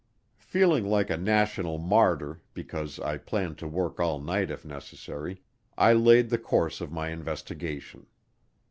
Feeling like a national martyr because I planned to work all night if necessary, I laid the course of my investigation.